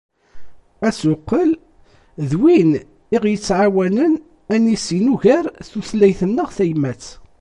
Asuqel d win i ɣ-yettεawanen ad nissin ugar tutlayt-nneɣ tayemmat.